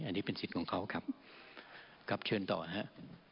อันนี้เป็นสิทธิ์ของเขาครับครับเชิญต่อฮะ